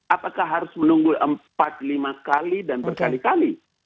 apakah harus menunggu empat lima kali dan berkali kali